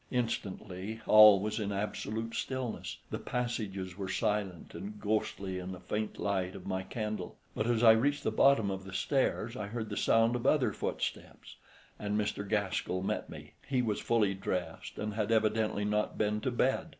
Instantly all was in absolute stillness. The passages were silent and ghostly in the faint light of my candle; but as I reached the bottom of the stairs I heard the sound of other footsteps, and Mr. Gaskell met me. He was fully dressed, and had evidently not been to bed.